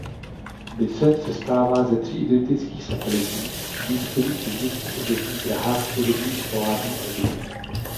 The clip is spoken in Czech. Mise sestává ze tří identických satelitů umístěných na nízkých oběžných drahách podobných polární orbitě.